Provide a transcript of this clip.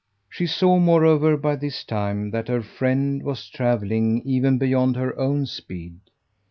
She saw moreover by this time that her friend was travelling even beyond her own speed.